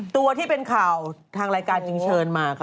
ตัวที่เป็นข่าวทางรายการจึงเชิญมาค่ะ